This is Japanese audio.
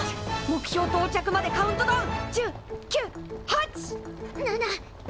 目標到着までカウントダウン。